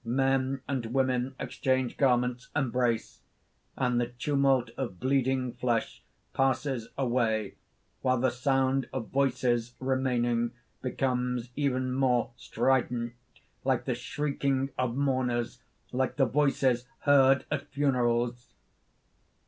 Men and women exchange garments, embrace; and the tumult of bleeding flesh passes away, while the sound of voices remaining, becomes even more strident, like the shrieking of mourners, like the voices heard at funerals.